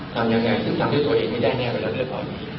ทำยังไงซึ่งทำให้ตัวเองไม่ได้แน่แน่เวลาเริ่มต่ออีก